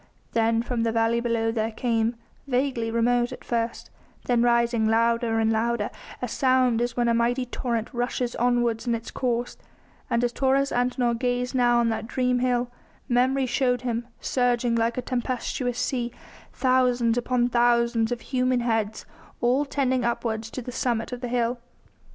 Then from the valley below there came, vaguely remote at first, then rising louder and louder, a sound as when a mighty torrent rushes onwards in its course; and as Taurus Antinor gazed now on that dream hill, memory showed him, surging like a tempestuous sea, thousands upon thousands of human heads, all tending upwards to the summit of the hill.